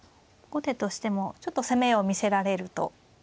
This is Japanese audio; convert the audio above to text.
後手としてもちょっと攻めを見せられると。